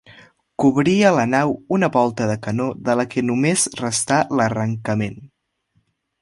Cobria la nau una volta de canó de la que només resta l'arrencament.